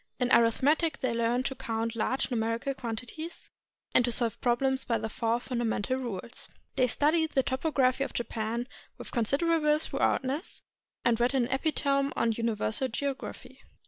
In arithmetic they learned to count large numerical quantities, and to solve problems by the four fundamental rules. They studied the topography of Japan with considerable thoroughness, and read an epitome of universal geography.